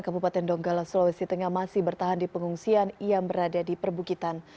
kabupaten donggala sulawesi tengah masih bertahan di pengungsian yang berada di perbukitan